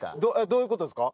どういうことですか？